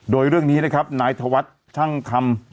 โดยเรื่องนี้นะครับนายธวัฒน์ช่างคำ